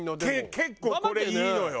結構これいいのよ。